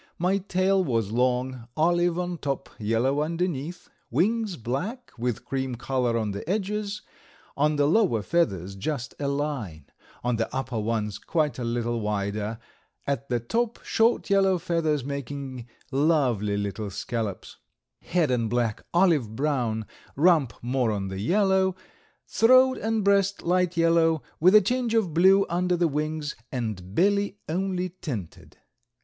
My tail was long, olive on top, yellow underneath; wings black, with cream color on the edges—on the lower feathers just a line, on the upper ones quite a little wider, at the top short yellow feathers, making lovely little scallops; head and back olive brown; rump more on the yellow; throat and breast light yellow, with a tinge of blue under the wings, and belly only tinted.